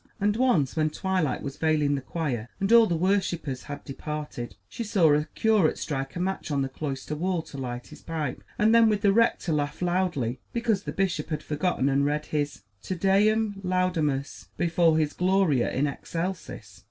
And once when twilight was veiling the choir, and all the worshipers had departed, she saw a curate strike a match on the cloister wall, to light his pipe, and then with the rector laugh loudly, because the bishop had forgotten and read his "Te Deum Laudamus" before his "Gloria in Excelsis."